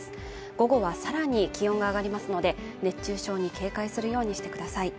午後はさらに気温が上がりますので、熱中症に警戒するようにしてください。